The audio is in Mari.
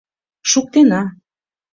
Шуктена!